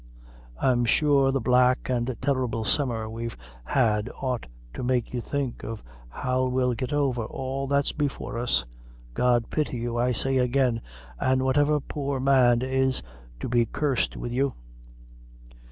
I'm sure the black an' terrible summer we've had ought to make you think of how we'll get over all that's before us! God pity you, I say again, an' whatever poor man is to be cursed wid you!"